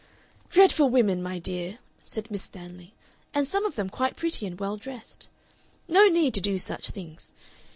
"Dreadful women, my dear!" said Miss Stanley. "And some of them quite pretty and well dressed. No need to do such things.